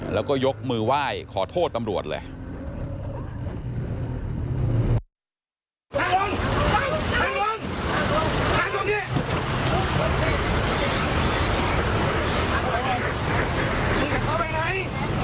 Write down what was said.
แล้วก็ยกมือไหว้ขอโทษตำรวจเลย